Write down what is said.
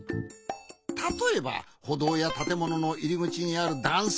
たとえばほどうやたてもののいりぐちにあるだんさ。